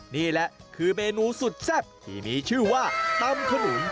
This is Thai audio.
นี่แหละคือเมนูสุดแซ่บที่มีชื่อว่าตำขนุน